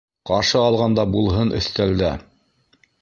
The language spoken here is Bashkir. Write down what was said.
Ҡаршы алғанда булһын өҫтәлдә!